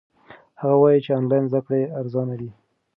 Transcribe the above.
هغه وایي چې آنلاین زده کړه ارزانه ده.